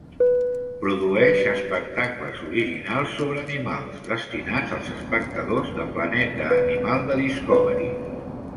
Produeix espectacles originals sobre animals, destinats als espectadors de Planeta animal de Discovery.